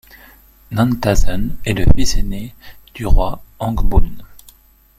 Nanthasen est le fils aîné dur roi Ong Boun.